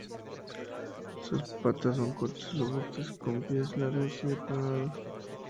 Sus patas son cortas y robustas, con pies largos y aplanados.